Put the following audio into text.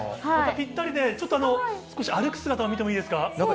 ぴったりで、ちょっと少し歩く姿を見てもいいですか？